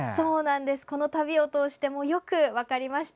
この旅を通してよく分かりました。